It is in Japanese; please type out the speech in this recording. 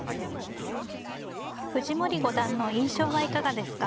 藤森五段の印象はいかがですか。